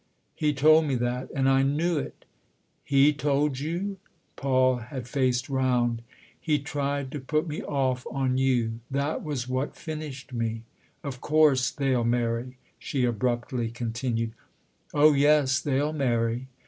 He told me that, and I knew it." "' He ' told you ?" Paul had faced round. 314 THE OTHER HOUSE " He tried to put me off on you. That was what finished me. Of course they'll marry," she abruptly continued. " Oh yes, they'll marry."